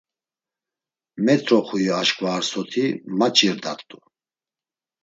Met̆roxui aşǩva ar soti, maç̌irdart̆u.